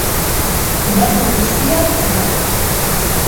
Datu guztiak, hemen.